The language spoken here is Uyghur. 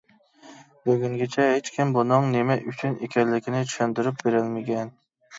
بۈگۈنگىچە ھېچكىم بۇنىڭ نېمە ئۈچۈن ئىكەنلىكىنى چۈشەندۈرۈپ بېرەلمىگەن.